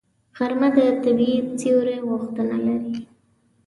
غرمه د طبیعي سیوري غوښتنه لري